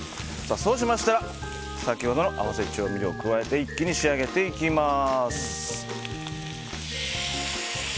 そうしましたら先ほどの合わせ調味料を加えて、一気に仕上げていきます。